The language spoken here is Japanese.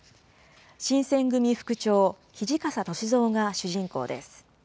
新選組副長、土方歳三が主人公です。